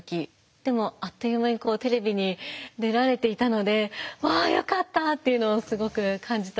でもあっという間にテレビに出られていたので「わよかった」っていうのをすごく感じたのを覚えています。